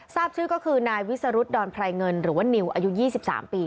ทราบชื่อก็คือนายวิสรุธดอนไพรเงินหรือว่านิวอายุ๒๓ปี